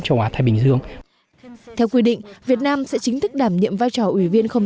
châu á thái bình dương theo quy định việt nam sẽ chính thức đảm nhiệm vai trò ủy viên không